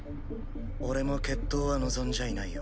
俺も決闘は望んじゃいないよ。